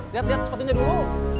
lihat lihat sepatunya dulu